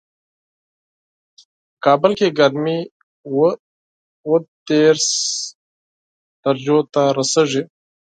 په کابل کې ګرمي اووه دېش درجو ته رسېږي